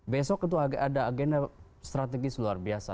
besok itu ada agenda strategis luar biasa